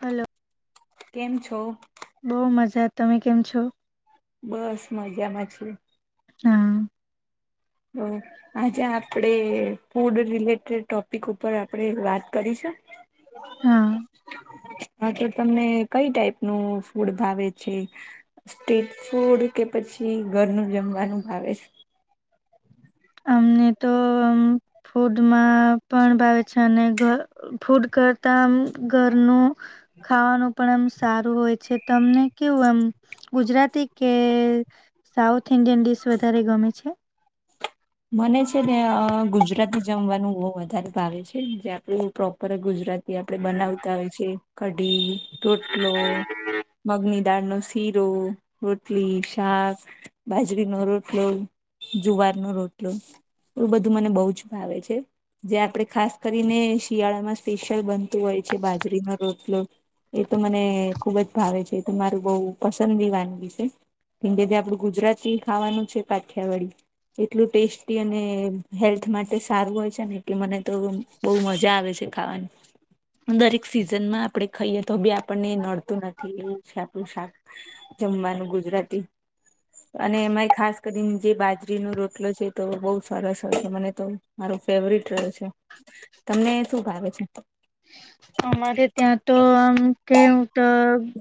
Hello કેમ છો? બહુ મજા તમે કેમ છો? બસ મજામાં છીએ હા. હમ. આજે આપડે ફૂડ રિલેટેડ ટોપિક ઉપર આપડે વાત કરીશું હા. હા તો તમને કઈ ટાઈપ નુ ફૂડ ભાવે છે. સ્ટ્રીટ ફૂડ કે પછી ઘરનું જમવાનું ભાવે અમને તો ફૂડમાં પણ ભાવે છે, અને ઘ ફૂડ કરતા ઘરનુ ખાવાનું પણ એમ સારું હોય છે, તમને કેવું એમ ગુજરાતી કે સાઉથ ઇન્ડિયન ડીશ વધારે ગમે છે. મને છે, અ ગુજરાતી જમવાનું બો વધારે ભાવે છે, જે આપડું પ્રોપર ગુજરા તી આપણે બનાવતા હોય છે, કઢી, રોટલો મગની દાળનો શીરો, રોટલી, શાક, બાજરીનો રોટલો જુવાર નો રોટલો એવુ બધું મને બો જ ભાવે છે. જે આપણેે ખાસ કરીને શિયાળામાં સ્પેશિયલ બનતું હોય છે, બાજરીનો રોટલો એ તો મને ખુબ જ ભાવે છે, એ તો મારું બોવ પસંદી વાનગી છે. કે જે આપડું ગુજરાતી ખાવાનું છે, કઠિયાવાડી એટલું ટેસ્ટી અને હેલ્થ માટે સારું હોય છે, ને એટલે મને તો બો મજા આવે છે, ખાવાની દરેક સિઝનમાં આપડે ખાઈએ તો બી આપણને નડતું નથી એવું છે, આપણું શાક જમવાનું ગુજરાતી અને એમાંય ખાસ કરીને જે બાજરીનું રો ટલો છે, તો બોવ સરસ છે, મને તો મારું ફેવરટ રહે છે. તમને શું ભાવે છે? અમારે ત્યાં તો આમ કેવું તો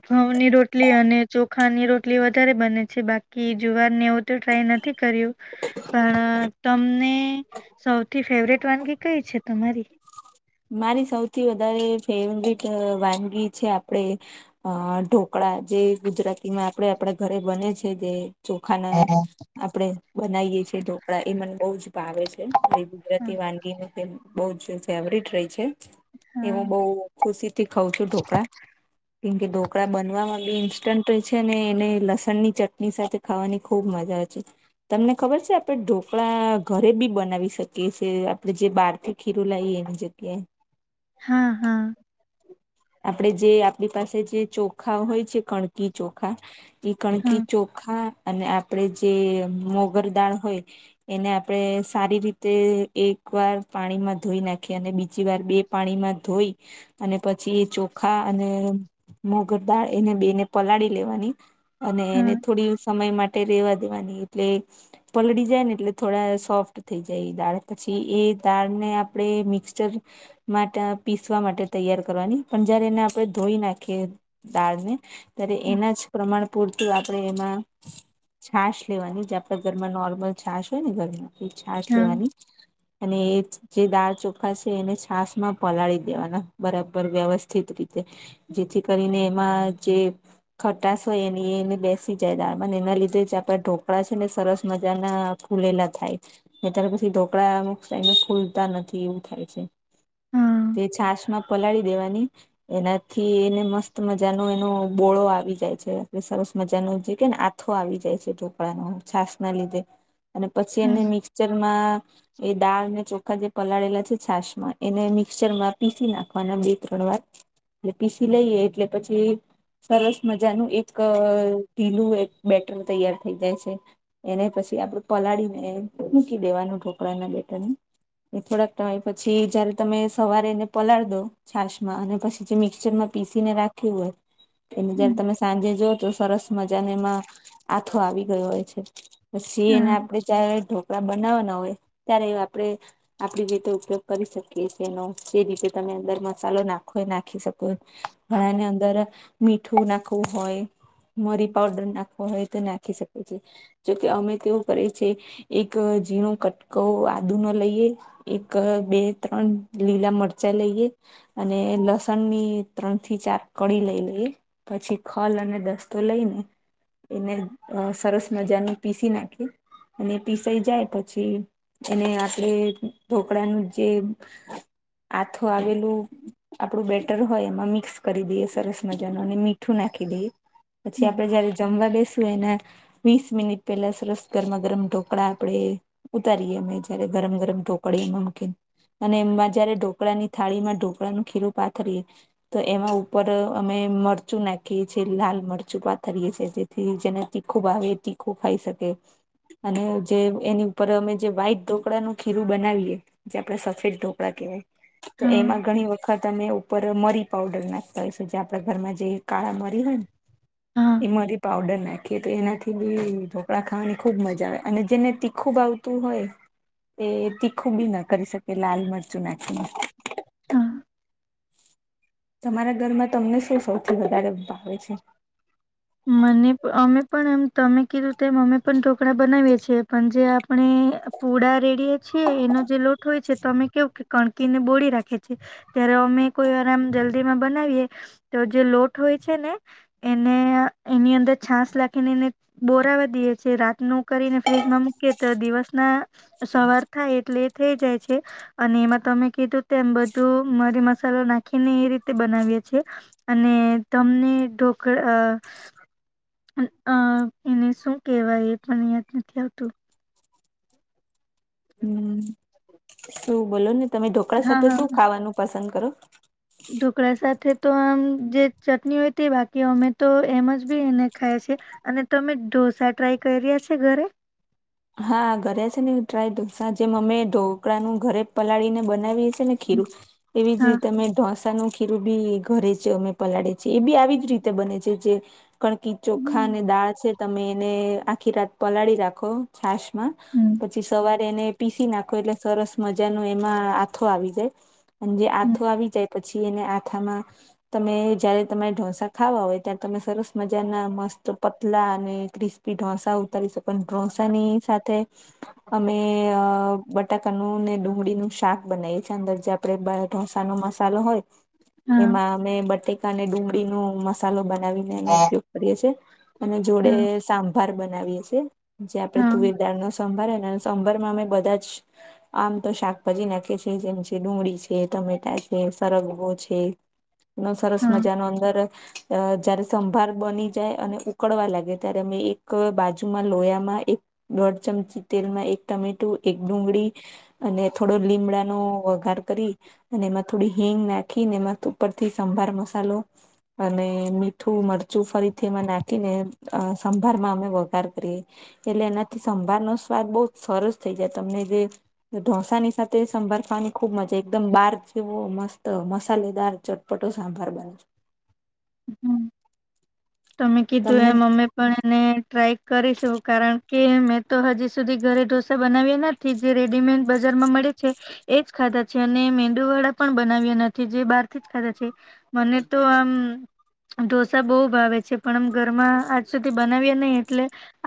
ઘઉની રોટલી અને ચોખાની રોટલી વધારે બને છે, બાકી જુવાર ને એવું તો ટ્રાય નથી કર્યું પણ તમને સૌથી ફેવરેટ વાનગી કઈ છે, તમારી મારી સૌથી વધારે ફેવરટ વાનગી છે, આપડે અ ઢોકળા જે ગુજરાતીમાં આપણે આપણા ઘરે બને છે, જે ચોખાના આપણેે બનાવીએ છેએ ઢોકડાએ મને બો જ ભાવે છે, મારી હા કુદરતી વાનગી બો જ ફેવરીટ રેય છે. એ હું હા બો ખુશી થી ખઉં છું ઢોકળા કેમકે ઢોકળા બનવામાં બી [unintelligible] છે ને એને લસણની ચટણી સાથે ખાવાની ખુબ મજા આવે છે. તમને ખબર છે, આપણે ઢોકળા ઘરે બી બનાવી શકીએ છે, આપણે જે બહારથી ખીરું લાઈ એની જગ્યા હા હા. આપડે જે આપણી પાસે જે ચોખા હોય છે, કણકી ચોખા ઈ હા કણકી ચોખા અને આપડે જે મોગર દાળ હોય એને આપણે સારી રીતે એક વાર પાણીમાં ધોઈ નાખી અને બીજી વાર બે પાણીમાં ધોઈ અને પ છી ચોખા અને મોગર દાળ એને બે ને પલાળી લેવાની અને એને હા થોડી સમય માટે રેવા દેવાની એટલે પલળી જાય ને એટલે થોડા સોફ્ટ થઈ જાય એ દાળ પછી એ દાળને આપણે મિક્સચર માટ પીસવા માટે તૈયાર કરવાની પણ જયારે એને આપણે ધોઈ નાખી દાળને ત્યારે હા એના જ પ્રમાણ પૂર [unintelligible] આપણે એમાં છાશ લેવાની જે આપણા ઘરમાં નોર્મલ છાશ હોય ને ધરમાં એ છાસ હા લેવાની અને એ જે દાળ ચોખા છે, એને છાસમાં પલાળી દેવાના બરા બર વ્યવસ્થિત રીતે જેથી કરીને એમાં જે ખટાશ હોય એની એને બેસી જાય દાણ એના લીધે જ આપડા ઢોકળા છે, ને સરસ મજાના ફૂલેલા થાય ને ત્યારે પછી ઢોકળા અમુક સા ફૂલતા નથી એવું થાય છે. હા તે છાશમાં પલાળી દેવાની એનાથી એને મસ્ત મજાનો એનો બોળો આવી જાય છે સરસ મજાનો જે કે ને થથો આવી જાય છે ઢોકળાનો છાસ ના લીધે અને પછી એને મિક્સચરમાં એ દાળ અને ચોખા જે પલાળેલા છે છાસ માં એને મિક્સચર માં પીસી નાખે વાના બે ત્રણ વાર એટલે પીસી લઈએ એટલે પછી સરસ મજાનું એક ીલું એક બેટર તૈયાર થઇ જાય છે એને પછી આપડું પલાળી ને મૂકી દેવાનું ઢોકળાના બેટર મા એ થોડાક ટય પછી જયારે તમે સવારે એને પલાળ દો છાશમાં અને પછી જે મિક્સચર માં પીસીને રાખ્યું હોય એટલે જયારે તમે સાંજે જો તો સરસ મજાને એમાં આથો આવી ગયો હોય છે પછી એને આપડે ચારે આપડા બનાવવાના હોય ત્યારે આપડણે આપડી રીતે ઉપયોગ કરી શકીએ છી એનો જે રીતે તમે અંદર મસાલો નાખો એ નાખી શકો ઘણા ને અંદર મીઠું નાખવું હોય મરી પાવડર નાખવાો હોય તો નાખી શકો છે જોકે અમે તેવું કરીએ છે એક ઝીણું કટક આદુ ન લઈએ એક બે ત્રણ લીલા મરચાં લઈએ અને લસણ ની ત્રણ થી ચાર કડીી લઈ લઈ પછી ખલ અને દસ્તો લઈને એને સરસ મજાનું પીસી નાખે અને પીસાઈ જાય પછી એને આપણે ઢોકળાનું જે આથો આવેલું લું આપડું બેટર હોય એમાં મિક્સ કરી દઈએ સરસ મજાનું અને મીઠું નાખી દઈએ પછી આપડે જયારે જમવા બેસવ હોય ને વીસ મિનિટ પેલા સરસ ગરમા ગરમ ઢોકળા આપણેે ઉતારીએ અમે જયારે ગરમ ગરમ ઢોકળી મમકી અને એમાં જયારે ઢોકળા ની થાળી માં ઢોકળાનું ખીરું પાથરીએ તો એમાં ઉપર અમે મરચું નાખીએ છીએ લાલ મરચું પાથરીએ છીએ થી જેને તીખું ભાવ તીખું ખાઈ શકે અને જે એની ઉપર અમે જે વાઈટ ઢોકળાનું ખીરું બનાવીએ જે આપડે સફેદ ઢોકળા કહેવાય તો હા એમાં ઘણી વખત અમે ઉપર મરી પાવડર નાખતા હોશું જે આપડા ઘરમાં જે કાળા મરી હોય હા ને મારી પાવડર નાખીએ તો એનાથી બી કપડાં ખાવાની ખૂબ મજા આવે અને જેને તીખું બ આવતું હોય એ તીખું બી ના કરી શકે લાલ મરચું નાખીને હા તમારા ઘરમાં તમને શું સૌથી વધારે ભાવે છે મને અમે પણ એમ તમે કીધું તેમ અમે પણ ઢોકળા બનાવીએ છીએ પણ જે આપણે પૂડા રેડીએ છીએ એનો જે લોટ હોય છે તો અમે કેવું કે કણકીને બોળી રાખે છેીએ ત્યારે અમે કોઈ આરામ જલ્દીમાં બનાવીએ તો જે લોટ હોય છે ને એને એની અંદર છાસ નાખીને એને બોરાવી દે છે રાતનું કરીને ફ્રીજમાં મૂકી તો દિવસ ના સવાર થાય એટલે એ થઈ જાય છે અને એમાં તમે કીધું તેમ બધું મરી મસાલો નાખીને એ રીતે બનાવીએ છીએ અને તમને ઢોકળ અ એને શું કેહેવાય એ પણ યાદ નથી આવતું હમ શું બોલો ને તમે ઢોકળા હા સાથે શું હા ખાવાનું પસંદ કરો ઢોકળા સાથે તો આમ જે ચટણી હોય તે બાકી અમે તો એમ જ બી એને ખાયએ છેી અને તમે ઢોસા ટ્રાય કર્યા છે ઘરે હા ઘરે છે ને ટ્રાય સા જે અમે ઢોકળાનુંું ઘરે પલાળી ને બનાવી ને ખીરું એવી જ હા. રીતેમે ઢોસાનું ીરું બી ઘરે છે અમે પલાળે છે એ બી આવી જ રીતે બને છે જે કણકી ચોખા હમ અને દાળ છે તમે એને આખી રાત પલાળી રાખો છાશ પછી સવારે એને પીસી નાખો એટલે સરસ મજા ન એમાં આથો આવી જાય અને જે હમ આથો આવી જાય. પછી એને આથામાં તમે જયારે તમારે ઢોસા ખાવા હોય ત્યારે તમે સરસ મજાના મસ્ત પતલા અને ક્રિસ્પી ઢોંસા ઉતારીશ પણ ઢોસા ની સાથે અમે બટાકાનું ને ડુંગળીનું શાક બનાવીએ છીએ અંદર આપે બાર ઢોસા નો મસાલો હોય હા એમાં અમે બટેકાને ડુંગળી નો મસાલો બનાવીને એનો હા ઉપયોગ કરીએ છે અને જોડે હા સાંભાર બનાવીએ છીએ જે આપડણે હા. તુવેરદાળ ન સંભાર સંભાર માં અમે બધા જ આમ તો શાકભાજી નાખે છે જેમ છે ડુંગળી છે ટમેટા છે સરગવો છે. નો સરસ હા. મજાનો અંદર જયારે સંભાર બની જાય અને ઉકળવા લાગે ત્યારે મે એક બાજુમાં લોયા એક દોઢ ચમચી તેલમાં એક ટામેટું એક ડુંગળી અને થોડો લીમડાનો વઘાર કરી અને એમાં થોડી હિંગ નાખીને એમાં ઉપરથી સંભાર મસાલો અને મીઠું મરચું ફરીથી એમાં નાખીને સંભારમાં અમે વઘાર કરીએ. એટલે એનાથી સંભાર નો સ્વાદ બહુ સરસ થઈ જાય તમને જે ઢોસાની સાથે સંભાર ખાવાની ખુબ મજા એકદમ બાર જેવો મસ્ત મસાલેદાર ચટ પટો સાંભાર બને છે. હમ. તમે કીધું તમને એમ પણ એને ટ્રાય કરીશું કારણ કે મેં તો હજી સુધી ઘરે ઢોસા બનાવીયા થી જે રેડીમેડ બજારમાં મળે છે. એજ ખાધા છે અને મેંદુવાળા પણ બનાવ્યા નથી જે બહારથી જ ખાધા છે. મને તો આમ ઢોસા બહુ ભાવે છે. જે પણ આમ ઘરમાં આજ સુધી બનાવીયા નહી એટલે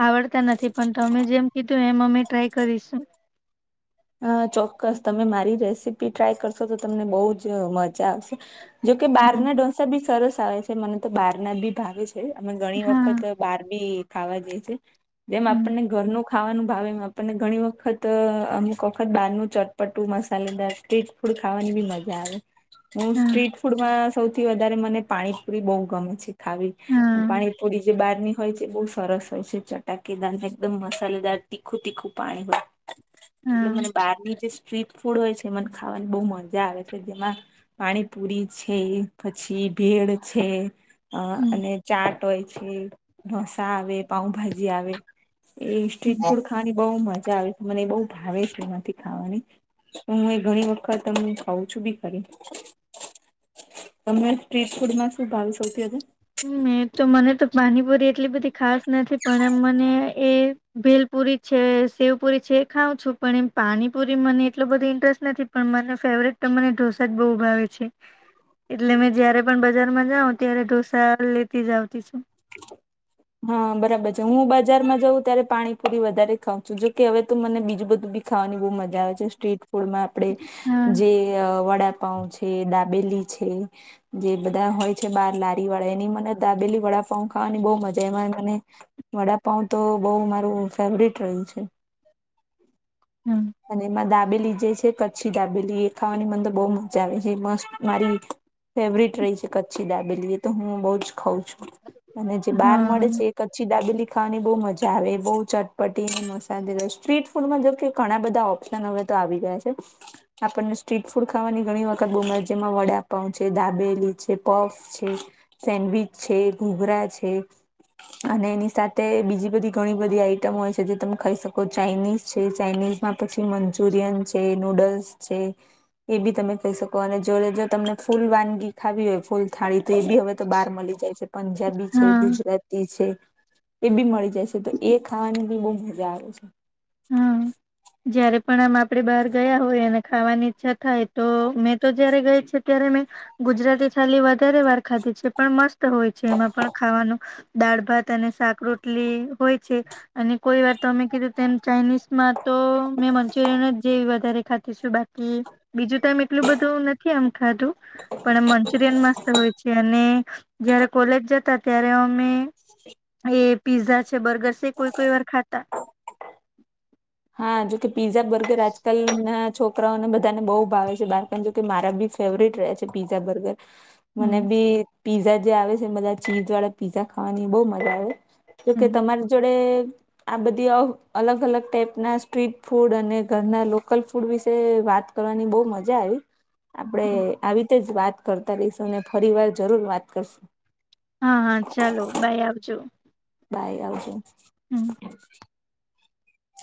આવડતા નથી પણ તમે જેમ કીધું એમ અમે ટ્રાય કરીશું. હા, ચોક્કસ તમે મારી રેસીપી ટ્રાય કરશો તો તમને બહું જ મજા આવશે. જોકે બહાર ના હા ઢોસા બી સરસ આવે છે મને તો બહાર ના બી ભાવે છે અમે ઘણી હા વખત બહાર બી ખાવા જે છે જેમ હમ, આપણને ઘરનું ખાવાનું ભાવે એ આપણને ઘણી વખત અમુક વખત બહાર નું ચટપટું મસાલેદાર સ્ટ્રીટ ફુંડ ખાવાની બી મજા આવે હું હા સ્ટ્રીટ ફૂડમાં સૌથી વધારે મને પાણીપુરી બહુ ગમે છે ખાવી હા પાણીપુરી જે બહારની હોય છે બહુ સરસ હોય છે ચટાકેદાર ને એકદમ મસાલેદાર તીખું તીખું પાણી હોય. એટલે હા મને બહારની જે સ્ટ્રીટ ફૂડ હોય છે મને ખાવાની બહુ મજા આવે છે જેમાં પાણીપુરી છે પછી ભેડ છે. અ હમ, અને ચાટ હોય છે ઢોસા આવે પાઉભાજી આવે એ હમ. સ્ટ્રીટ ફૂડ ખાવાની બહુ મજા આવે છે મને એ બહુ ભાવે છે એમાંથી ખાવાની. હું એ ઘણી વખત તમને ખઉં છું બી ખરી. તમે સ્ટ્રીટ ફૂડ માં શું ભાવી સૌથી વધાર મે તો મને તો પાનીપુરી એટલી બધી ખાસ નથી પણ એમ મને એ ભેલપુરી છે શેવ પુરી છે એ ખાવં છું પણ એમ પાણીપુરી મને એટલો બધો ઇન્ટરેસ્ટ નથી. પણ મને ફેવરેટ તો મને ઢોસા જ બહુ ભાવે છે. એટલે મેં જયારે પણ બજારમાં જાવ ત્યારે ઢોસા લેતી જ આવતી છું. હા બરાબર છે હું બજારમાં જઉં ત્યારે પાણીપુરી વધારે ખાવઉં છું જે હવે તો મને બીજું બધું ખાવાની બહુ મજા આવે છે સ્ટ્રીટ ફૂળમાં આપડે હા જે વડાપાંઉ છે દાબેલી છે. જે બધા હોય છે બાર લારી વાળા એની મને દાબેલી વડાપાંઉ ખાવાની બહું મજા જેમાં મને વડાપાઉ તો બઉ મારું ફેવરટ રહ્યું છે. હા અને એમાં દાબેલી જે છે કચ્છી દાબેલી એ ખાવાની મન તો બહુ મજા આવે છે. હે મસ્ત મારી ફેવરટ રહી છે કચ્છી દાબેલી. એ તો હું બહુ જ ખઉં છું. અને જે બહાર હા મળે છે કચ્ચી દાબેલી ખાવાની બહુ મજા આવે. એ બહુ ચટપટી ને મસાલેદાર સ્ટ્રીટ ફૂડમાં જો કે ઘણા બધા ઓપ્શન હવે તો આવી ગયા છે. આપણને સ્ટ્રીટ ફૂડ ખાવાની ઘણી વખત બહુ મજ છે. જેમાં વડાપાઉં છે, દાબેલી છે, પફ છે. સેન્ડવીચ છે, ઘૂઘરા છે. અને એની સાથે બીજી બધી ઘણી બધી આઈટમ હોય છે. જે તમે ખાઈ શકો ચાઇનીઝ છે. ચાઇનીઝમાં પછી મંચુરિયન છે, નુડલ્સ છે. એ બી તમે ખઈ શકો. અને જોડે જોડ તમને ફૂલ વાનગી ખાવી હોય ફૂલ થાળી તો એ બી હવે તો બાર મલી જાય છે. પંજાબી છે, હા ગુજરાત તી છે એ બી મળી જાય છે. તો એ ખાવાની બી બહુ મજા આવે છે. હા જયારે પણ આમ આપડે બહાર ગયા હોય અને ખાવાની ઈચ્છા થાય તો મેં તો જયારે ગઈ છું ત્યારે મેં ગુજરાતી થાલી વધારે વાર ખાધી છે. પણ મસ્ત હોય છે એમાં પણ ખાવાનું દાળ, ભાત અને શાક રોટલી હોય છે. અને કોઈ વાર તો તમે કીધું તેમ ચાઇનીઝમાં તો મેં મંચુરિયન જ જેવી વધારે ખાતીશું બા કી બીજું તો એમ એટલું બધું નથી આમ ખાધું. પણ મંચુરિયન મસ્ત હોય છે. અને જયારે કોલેજ જતા ત્યારે અમે એ પીઝા છે, બર્ગર છે કોઈ કોઈ વાર ખાતા. [unintelligible] હા જોકે પિઝા, બર્ગર આજકાલ નાના છોક છોકરાઓને બધાને બહુ ભાવે છે બાળકોને જોકે મારા ભી ફેવરિટ રહયા છે. Pizza, burger. મને હમ ભી પીઝા જે આવે છે બધા ચીઝવાળા પીઝા ખાવાની બહુ મજા આવે. હમ જોકે તમારી જોડે આ બધી અલગ અલગ ટાઈપ ના સ્ટ્રીટ ફૂડ અને ઘરના લોકલ ફૂડ વિશે વાત કરવાની બહુ મજા આવી. આપણે હમ આવી રીતે જ વાત કરતા રહીશું અને ફરી વાર જરૂર વાત કરશું. હા હા ચાલો બાય, આવજો. બાય આવજો. હમ